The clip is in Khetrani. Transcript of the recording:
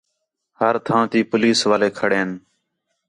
ہر تھاں تی پولیس والے کھڑے ہین